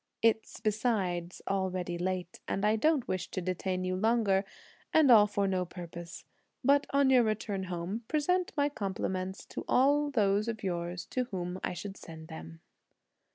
It's besides already late, and I don't wish to detain you longer and all for no purpose; but, on your return home, present my compliments to all those of yours to whom I should send them."